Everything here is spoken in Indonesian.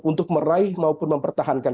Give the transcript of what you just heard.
untuk meraih maupun mempertahankan